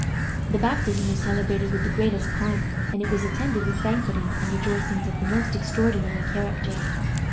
The baptism was celebrated with the greatest pomp, and it was attended with banquetings and rejoicings of the most extraordinary character.